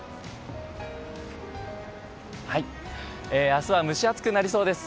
明日は蒸し暑くなりそうです。